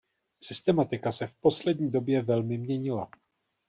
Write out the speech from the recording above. Systematika se v poslední době velmi měnila.